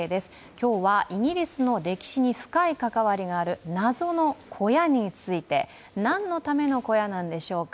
今日はイギリスの歴史に深い関わりがある謎の小屋について、なんのための小屋なんでしょうか。